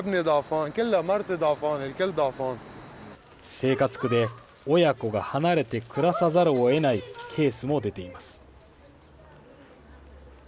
生活苦で親子が離れて暮らさざるをえないケースも出ています。